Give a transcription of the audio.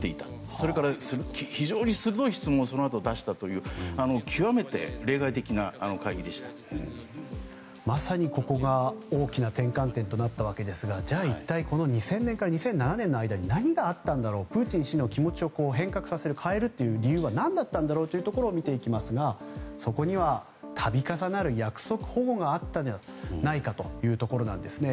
そのあと非常に鋭い質問を出したというまさにここが大きな転換点となったわけですがじゃあ一体２０００年から２００７年の間に何があったんだろうプーチン氏の気持ちを変えるという理由は何だったんだろうというところを見ていくんですがそこには、度重なる約束反故があったんじゃないかというところなんですね。